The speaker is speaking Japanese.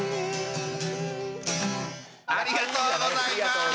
ありがとうございます！